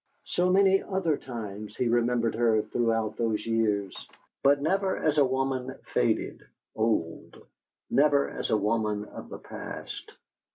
So many other times he remembered her throughout those years, but never as a woman faded, old; never as a woman of the past.